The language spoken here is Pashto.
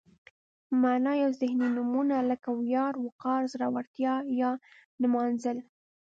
معنا یا ذهني نومونه لکه ویاړ، وقار، زړورتیا یا نمانځل.